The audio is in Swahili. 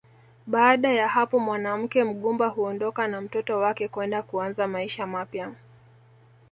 Baada ya hapo mwanamke mgumba huondoka na mtoto wake kwenda kuanza maisha mapya